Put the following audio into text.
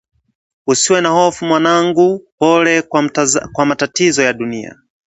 usiwe na hofu mwanangu pole kwa matatizo ya dunia